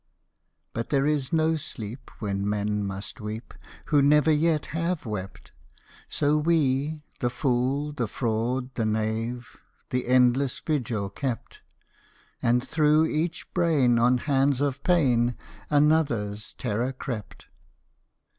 But there is no sleep when men must weep Who never yet have wept: So weâthe fool, the fraud, the knaveâ That endless vigil kept, And through each brain on hands of pain Anotherâs terror crept.